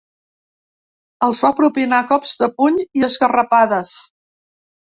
Els van propinar cops de puny i esgarrapades.